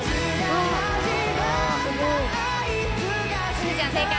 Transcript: すずちゃん正解！